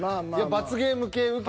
罰ゲーム系受け。